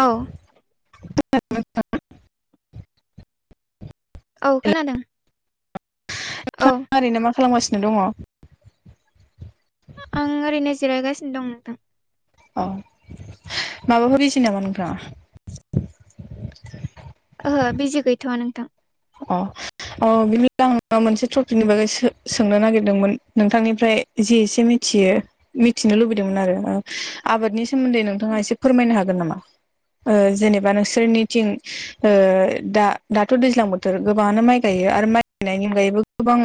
औ। [unintelligible] औ हेल' खोनादों। औ ओरैनो मा खालामगासिनो दङ? आं ओरैनो जिरायगासिनो दं नोंथां। औ माबाफोर बिजि नामा नोंथाङा? ओहो बिजि गैथ'वा नोंथां। अ। अ बिनि आं मोनसे टपिकनि बागै सोंनो नागिरदोंमोन नोंथांनिफ्राय जि एसे मिथियो मिथिनो लुबैदोंमोन आरो आबादनि सोमोन्दै नोंथाङा एसे फोरमायनो हागोन नामा? ओ जेनेबा नोंसोरनिथिं ओ दा दाथ' दैज्लां बोथ थोर गोबाङानो माइ गायो आरो माइ गायनायनि अनगायैबो गोबां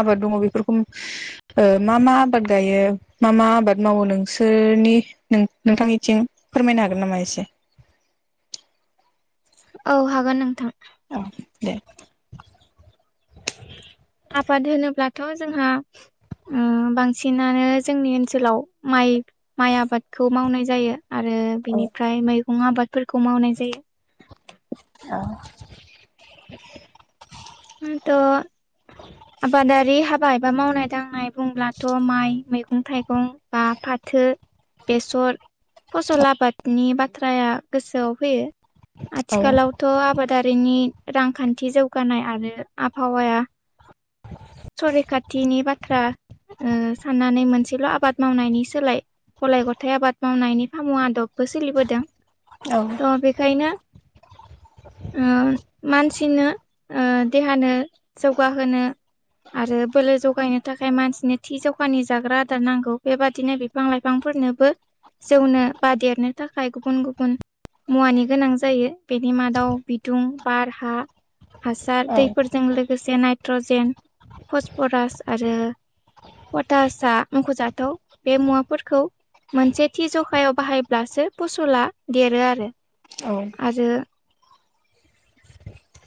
आबाद दङ। बेफोरखौ मा मा आबाद गायो? मा मा आबाद मावो? नोंसोरनि नों नोंथांनिथिं फोरमायनो हागोन नामा एसे? औ हागोन नोंथां। औ दे। आबाद होनोब्लाथ' जोंहा उम बांसिनानो जोंनि ओनसोलाव माइ माइ आबादखौ मावनाय जायो आरो बिनिफ्राय मैगं आबादफोरखौ मावनाय जायो। औ। [inaudible] [unintelligible] आबादारि हाबा एबा मावनाय-दांनाय बुंब्लाथ' माइ मैगं-थाइगं बा फाथो, बेसर फसल आबादनि बाथ्राया गोसोआव फैयो। औ आथिखालावथ' आबादारिनि रांखान्थि जौगानाय आरो आबहावाया संरैखाथिनि बाथ्रा ओ साननानै मोनसेल' आबाद मावनायनि सोलाय गलाय-गथाइ आबाद मावनायनि फामु आदबबो सोलिबोदों। औ। त' बेखायनो ओ मानसिनो ओ देहानो जौगाहोनो आरो बोलो जगायनो थाखाय मानसिनो थि जखानि जाग्रा आदार नांगौ। बेबादिनो बिफां-लाइफांफोरनोबो जौनो बा देरनो थाखाय गुबुन गुबुन मुवानि गोनां जायो बेनि मादाव बिदुं, बार, हा, हासार फोरजों लोगोसे नायट्रजेन, फसफरास आरो पटासआ मख'जाथाव बे मुवाफोरखौ मोनसे थि जखायाव बाहायब्लासो फसला देरो आरो। औ आरो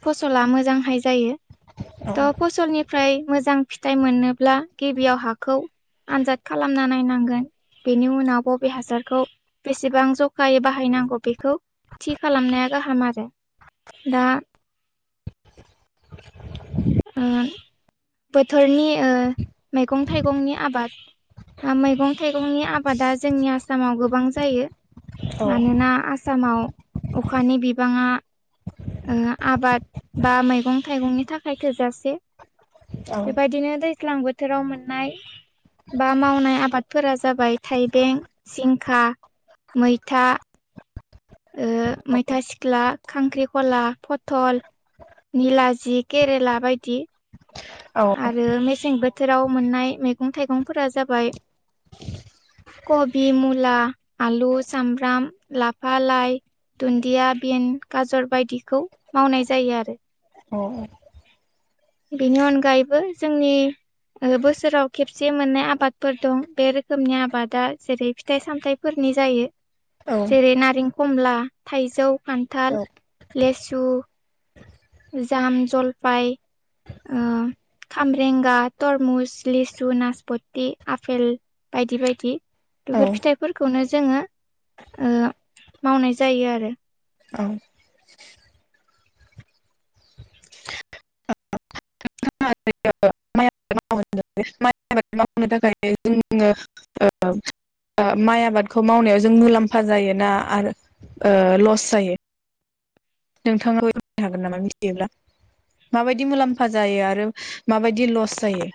फसला मोजांहाय जायो। औ थ' फसलनिफ्राय मोजां फिथाइ मोनोब्ला गिबियाव हाखौ आनजाद खालामना नायनांगोन। बेनि उनाव बबे हासारखौ बेसेबां जखायै बाहायनांगौ बेखौ थि खालामनाया गाहाम आरो। दा उम बोथोरनि ओ मैगं-थाइगंनि आबाद मैगं-थाइगंनि आबादा जोंनि आसामाव गोबां जायो। मानोना आसामाव अखानि बिबाङा ओ आबाद बा मैगं-थाइगंनि थाखाय थोजासे। बेबायदिनो दैज्लां बो- थोराव मोननाय बा मावनाय आबादफोरा जाबाय थाइबें, जिंखा, मैथा ओ मैथा सिख्ला, खांख्रिखला, फथल निलाजि, केरेला बायदि औ आरो मेसें बोथोराव मोननाय मैगं-थाइगंफोरा जाबाय कबि, मुला, आलु, सामब्राम, लाफा, लाइ दुन्दिया बिन गाजर बायदिखौ मावनाय जायो आरो। औ औ बेनि अनगायैबो जोंनि ओ बोसोराव खेबसे मोननाय आबादफोर दं बे रोखोमनि आबादा जेरै फिथाइ-सामथाइ- फोरनि जायो। औ जेरै नारें-खमला, थाइजौ, खान्थाल, लेसु जाम, जलपाय [unintelligible] खामबरेंगा तरमुस लिसु नासपथि आफेल बायदि बायदि बेफोर फिथाइफोरखौनो जोङो ओ मावनाय जायो आरो औ [inaudible] [inaudible] ओ माइ आबादखौ मावनायाव जों मुलाम्फा जायोना आरो ओ लस जायो नोंथाङाबो बेखौ हागोन नामा मिथियोब्ला माबायदि मुलाम्फा जायो आरो माबायदि लस जायो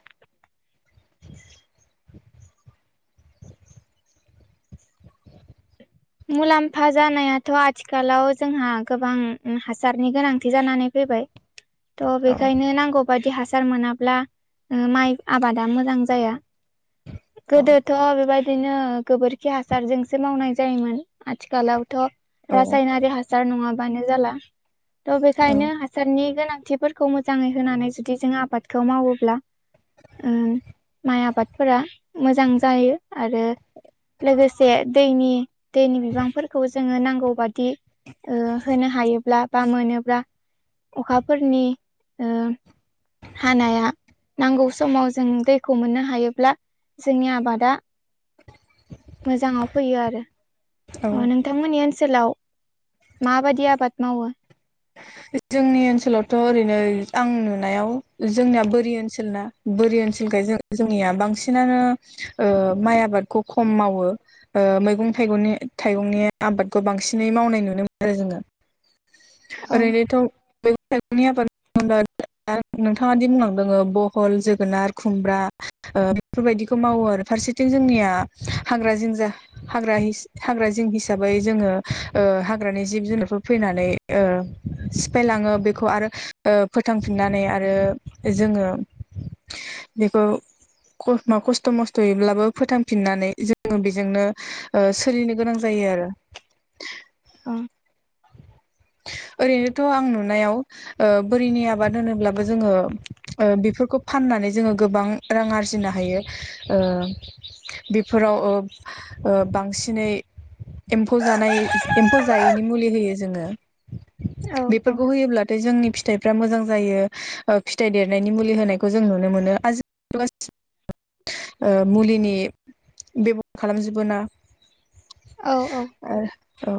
मुलाम्फा जानायाथ' आथिखालाव जोंहा गोबां हासारनि गोनांथि जानानै फैबाय [unintelligible] थ' औ बेखायनो नांगौ बायदि हासार मोनाब्ला ओम माइ आबादा मोजां जाया औ गोदोथ' बेबाय दिनो गोबोरखि हासारजोंसो मावनाय जायोमोन आथिखालावथ' औ रायनारि हास सार नङाबानो जाला थ' बेखायनो औ हास सारनि गोनांथिफोरखौ मोजाङै होनानै जुदि जों आबादखौ मावोब्ला ओ माइ आबादफोरा मोजां जायो आरो लोगोसे दैनि दैनि बिबांफोरखौ जोङो नांगौ बादि ओ होनो हायोब्ला बा मोनोब्ला अखाफोरनि ओ हानाया नांगौ समाव जों दैखौ मोननो हायोब्ला जोंनि आबादा मोजांआव फैयो आरो औ ओ नोंथांमोननि ओनसोलाव माबायदि आबाद मावो जोंनि ओनसोलावथ' ओरैनो आं नुनायाव जोंनिया बोरि ओनसोल ना बोरि ओनसोलखाय जों जोंनिया बांसिनानो ओ माइ आबादखौ खम मावो ओ मैगं थाइगंनि थाइगंनि आबादखौ बांसिनै मावनाय नुनो मोनो आरो जोङो अ ओरैनोथ' मैगं थाइगंनि आबाद [inaudible] नोंथाङा दि बुंलां दङो बहल जोगोनार खुमब्रा ओ बेफोरबायदिखौ मावो आरो फारसेथिं जोंनिया हाग्रा जिंजा हाग्रा हिस हाग्रा जिं हिसाबै जोङो ओ हाग्रानि जिब जुनारफोर फैनानै ओ सिफायलाङो बेखौ आरो ओ फोथांफिननानै आरो जोङो बेखौ खस्मा खस्थ मिन्थियैयाव फोथांफिननानै जोङो बेजोंनो ओ सोलिनो गोनां जायो आरो औ ओरैनोथ' आं नुनायाव ओ बोरिनि आबाद होनोब्लाबो जोङो ओ बेफोरखौ फाननानै जोङो गोबां रां आरजिनो हायो ओ बेफोराव ओ ओ बांसि सिनै एम्फौ जानाय एमफौ जायिनि मुलि होयो जोङो बेफोरखौ होयोब्लाथाय' जोंनि फिथाइ फोरा मोजां जायो ओ फिथाइ देरनायनि मुलि होनायखौ जों नुनो मोनो आजि [inaudible] ओ मुलिनि बेब'हार खालामजोबो ना औ औ औ औ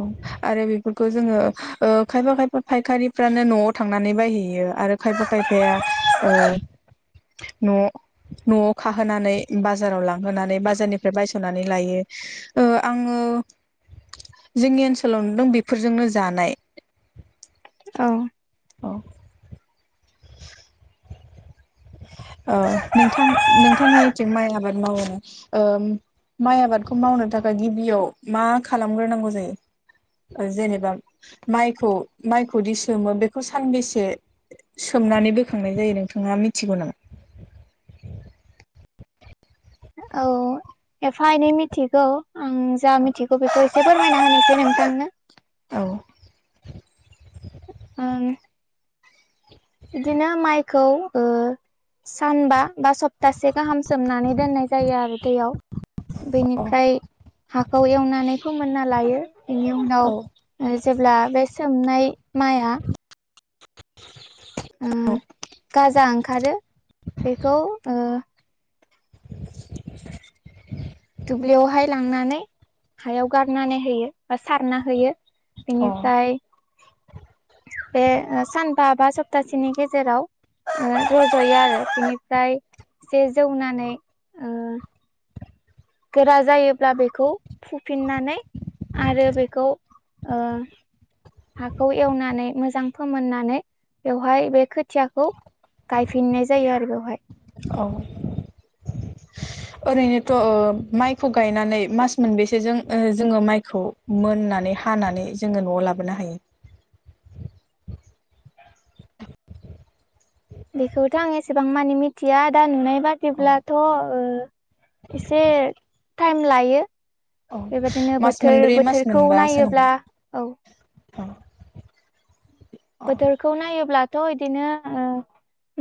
आरो बेफोरखौ जोङो ओ खायफा खायफा फायखारिफ्रानो न'आव थांनानै बायहैयो आरो खायफा खायफाया ओ न'आव न'आव खाहोनानै बाजाराव लांहोनानै बाजारनिफ्राय बायस'नानै लायो ओ आङो जोंनि ओनसोलाव नुदों बेफोरजोंनो जानाय औ औ ओ नोंथां नोंथांमोननिथिं माइ आबाद मावो ओ माइ आबादखौ मावनो थाखाय गिबियाव मा खालामग्रोनांगौ जायो? जेनेबा माइखौ माइखौ दि सोमो बेखौ सानबेसे सोमनानै बोखांनाय जायो नोंथाङा मिथिगौ नामा? औ एफा एनै मिथिगौ आं जा नामा? मिथिगौ बेखौ ऐसे फोरमायना होनि एसे नोंथांनो। औ। ओं। बिदिनो माइखौ ओ सानबा बा सप्तासे गाहाम सोमनानै दोननाय जायो आरो दैयाव। बेनिफ्राय हाखौ एवनानै लायो बेनि उनाव औ ओ जेब्ला बे सोमनाय माइआ ओ गाजा ओंखारो बेखौ ओ [inaudible] दुब्लियावहाय लांनानै हायाव गारनानै होयो बा सारना होयो। अ बेनिफ्राय [inaudible] बे ओ सानबा बा सप्तासेनि गेजेराव ओ रज'यो आरो बिनिफ्राय एसे जौनानै ओ गोरा जायोब्ला बेखौ फुफिननानै आरो बेखौ ओ हाखौ एवनानै मोजां फोमोननानै बेवहाय बे खोथियाखौ गायफिननाय जायो आरो बेवहाय। औ। ओरैनोथ' ओ माइखौ गायनानै मास मोनबेसेजों जोङो माइखौ मोननानै हानानै जोङो न'आव लाबोनो हायो। बेखौथ' आं एसेबां मानि मिथिया दा नुनाय अ बादिब्लाथ' ओ एसे टाइम लायो। औ बेबायदिनो मास बोथोर मोनब्रै मास बोथोरखौ मोनबासो नामा? नायोब्ला औ। अ अ बोथोरखौ नायोब्ला थ' बिदिनो ओ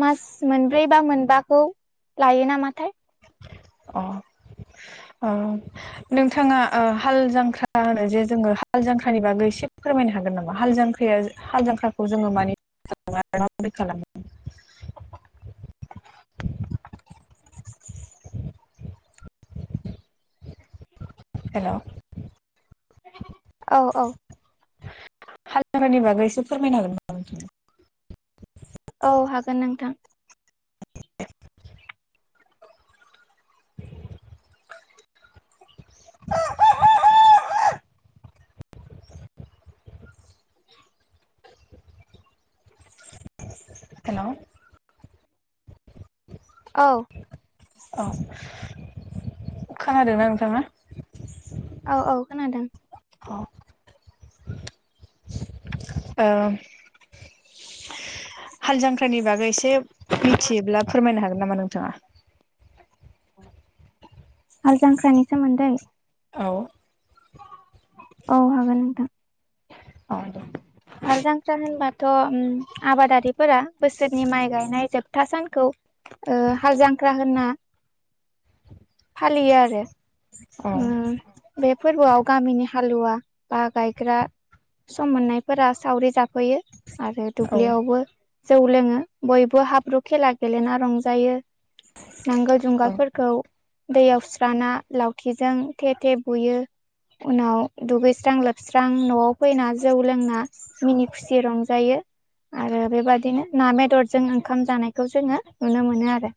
मास मोनब्रै बा मोनबाखौ लायो नामाथाय। अ ओ नोंथाङा ओ हाल जांख्रा होनो जे जोङो हाल जांख्रानि बागै एसे फोरमायनो हागोन नामा हाल जांख्रिया हाल जांक्राखौ जोङो मानि आरो खालामो हेल'? औ औ हाल जांख्राफोरनि बागै एसे फोरमायनो हागोन नामा नोंथाङा? औ हागोन नोंथां। [inaudible] [inaudible] हेल'? औ। औ खोनादोंना नोंथाङा? औ औ खोनादों। औ। ओम हाल जांख्राइनि बागै एसे मिथियोब्ला फोरमायनो हागोन नामा नोंथाङा? हाल जांख्रानि सोमोन्दै। औ औ हागोन नोंथां। औ दे। हाल जांख्रा होनबाथ' उम आबादारिफोरा बोसोरनि माइ गायनाय जोब था सानखौ ओ हाल जांख्रा होनना फालियो आरो औ औ उम बे फोरबोआव गामिनि हालुवा बा गायग्रा सम मोननायफोरा सावरि जाब फैयो आरो दुब्लियावबो जौ लोङो बयबो हाब्रु खेला गेलेना रंजायो। नांगोल औ जुंगालफोरखौ दैयाव सुस्राना लावथिजों थे थे बुयो उनाव दुगै स्रां लोबस्रां न'आव फैना जौ लोंना मिनि खुसि रंजायो। आरो बेबादिनो ना बेदरजों ओंखाम जानायखौ जोङो नुनो मोनो आरो।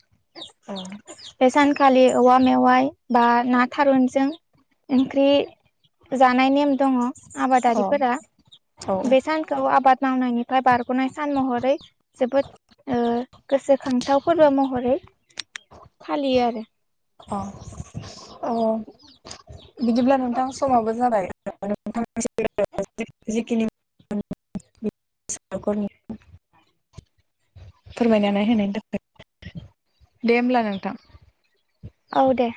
बेेसान खालि औवा मेवाइ बा ना थारुनजों ओंख्रि जानाय नेम दङ औ आबादारिफोरा औ बे सानखौ आबाद मावनायनिफ्राय बारग'नाय सान महरै जोबोद ओ गोसोखांथाव फोरबो महरै फालियो आरो। अ औ बिदिब्ला नोंथां समाबो जाबाय [unintelligible] [unintelligible] फोरमायनानै होनायनि थाखाय दे होमब्ला नोंथां। औ दे।